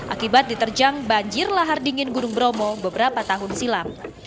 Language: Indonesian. akibat diterjang banjir lahar dingin gunung bromo beberapa tahun silam